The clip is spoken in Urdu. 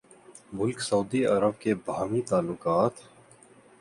ملک سعودی عرب کے باہمی تعلقات